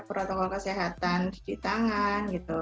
protokol kesehatan cuci tangan gitu